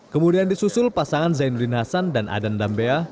kemudian disusul pasangan zainuddin hasan dan adan dambea